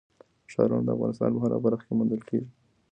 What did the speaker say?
ښارونه د افغانستان په هره برخه کې موندل کېږي.